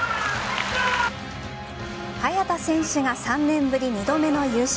早田選手が３年ぶり２度目の優勝。